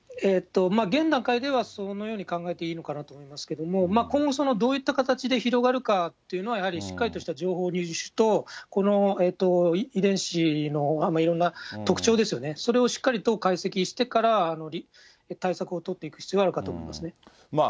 現段階ではそのように考えていいのかなと思いますけれども、今後、どういった形で広がるかっていうのは、やはりしっかりとした情報入手と、この遺伝子のいろんな特徴ですよね、それをしっかりと解析してから、対策を取っていく必要があるかと思いますね。